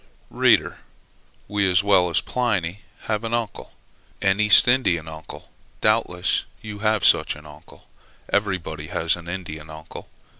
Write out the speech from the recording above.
Reader! we, as well as Pliny, had an uncle, an East Indian uncle; doubtless you have such an uncle; everybody has an Indian uncle.